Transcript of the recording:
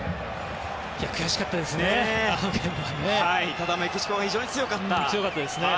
悔しかったですね。